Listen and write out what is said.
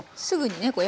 すぐにね